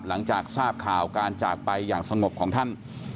หลังจากทราบข่าวการจากไปอย่างสงบของท่าน